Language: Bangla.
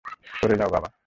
সরে যাও, বাবা!